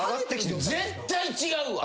絶対違うわ。